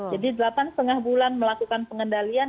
jadi delapan lima bulan melakukan pengendalian